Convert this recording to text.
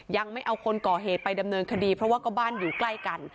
ยังไม่เอาคนก่อเหตุไปดำเนินคดีเพราะว่าก็บ้านอยู่ใกล้กัน